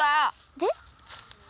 で。